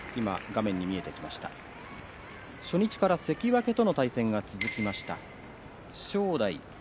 初日から関脇との対戦が組まれました正代。